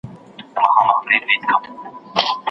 ما پسې هغه څوک خبرې اوس کوينه